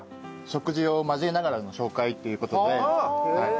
食事を交えながらの紹介っていう事ではい。